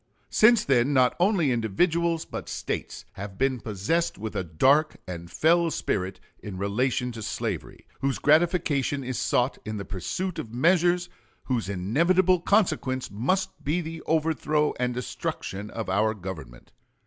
Since then not only individuals but States have been possessed with a dark and fell spirit in relation to slavery, whose gratification is sought in the pursuit of measures whose inevitable consequence must be the overthrow and destruction of our Government.